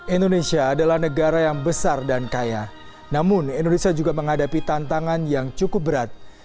indonesia adalah negara yang besar dan kaya namun indonesia juga menghadapi tantangan yang cukup berat